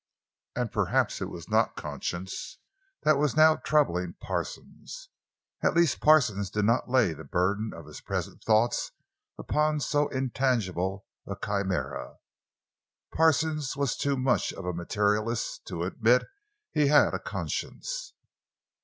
And perhaps it was not conscience that was now troubling Parsons; at least Parsons did not lay the burden of his present thoughts upon so intangible a chimera. Parsons was too much of a materialist to admit he had a conscience.